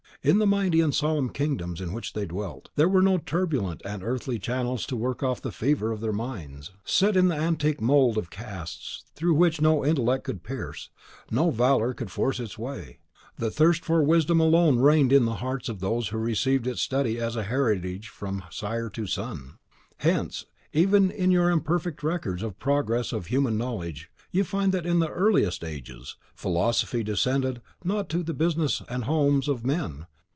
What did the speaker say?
In the mighty and solemn kingdoms in which they dwelt, there were no turbulent and earthly channels to work off the fever of their minds. Set in the antique mould of casts through which no intellect could pierce, no valour could force its way, the thirst for wisdom alone reigned in the hearts of those who received its study as a heritage from sire to son. Hence, even in your imperfect records of the progress of human knowledge, you find that, in the earliest ages, Philosophy descended not to the business and homes of men.